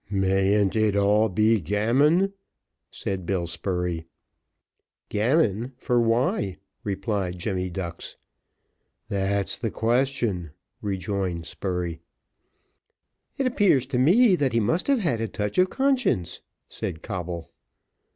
"Mayn't it all be gammon?" said Bill Spurey. "Gammon, for why?" replied Jemmy Ducks. "That's the question," rejoined Spurey. "It appears to me that he must have had a touch of conscience," said Coble.